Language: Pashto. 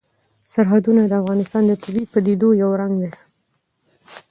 سرحدونه د افغانستان د طبیعي پدیدو یو رنګ دی.